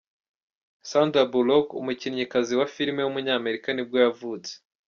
Sandra Bullock, umukinnyikazi wa filime w’umunyamerika nibwo yavutse.